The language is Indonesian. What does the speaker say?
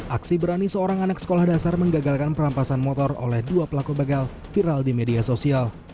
aksi berani seorang anak sekolah dasar menggagalkan perampasan motor oleh dua pelaku begal viral di media sosial